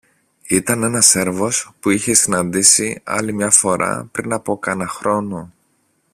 Ήταν ένας Σέρβος που είχε συναντήσει άλλη μια φορά πριν από κάνα χρόνο